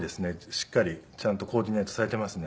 しっかりちゃんとコーディネートされていますね。